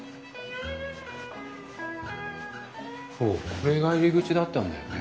これが入り口だったんだよね。